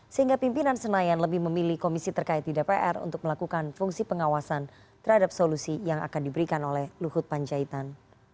sehingga pimpinan senayan lebih memilih komisi terkait di dpr untuk melakukan fungsi pengawasan terhadap solusi yang akan diberikan oleh luhut panjaitan